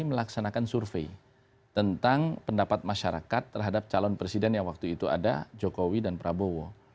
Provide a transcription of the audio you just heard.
melaksanakan survei tentang pendapat masyarakat terhadap calon presiden yang waktu itu ada jokowi dan prabowo